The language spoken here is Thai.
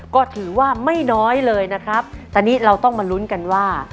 ก็ถือว่าไม่น้อยเลยนะครับตอนนี้เราต้องมาลุ้นกันว่า